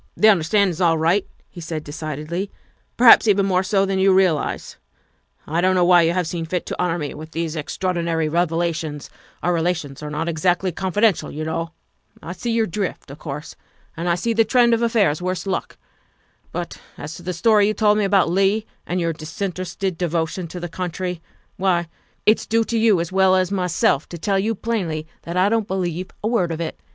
" The understanding's all right," he said decidedly, '' perhaps even more so than you realize. I don 't know why you have seen fit to honor me with these extraor dinary revelations our relations are not exactly confi dential, you know. I see your drift, of course, and I see the trend of affairs worse luck. But as to the story you told me about Leigh and your disinterested devotion to the country, why, it's due to you as well as myself to tell you plainly that I don't believe a word of it.